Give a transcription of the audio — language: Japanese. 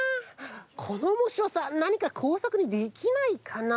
このおもしろさなにかこうさくにできないかな？